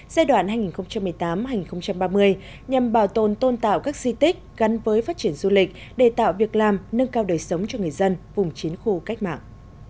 giai đoạn hai nghìn một mươi tám hai nghìn ba mươi nhằm bảo tồn tôn tạo các di tích gắn với phát triển du lịch để tạo việc làm nâng cao đời sống cho người dân vùng chiến khu cách mạng